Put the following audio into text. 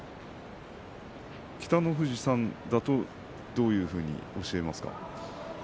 北の富士さんだとどういうふうに教えますか？